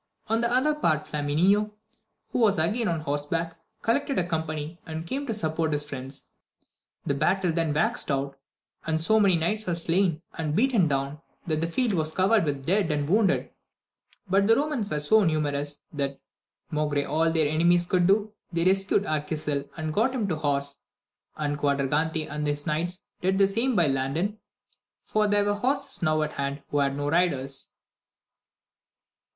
On the other part, Flamineo, who was again on horseback, collected a company, and came to support his friends ; the battle then waxed hot, and so many knights were slain and beaten down, that the field was covered with the dead and wounded. But the Romans were so numerous, that, maugre all their enemies could do, they rescued Arquisil and got him to horse, and Quadragante and his knights did the same by Landin, for there were horses enow at hand who had no riders.